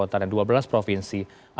apa yang harus dilakukan oleh pemirsa di rumah